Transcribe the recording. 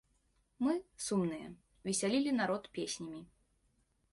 Мы, сумныя, весялілі народ песнямі.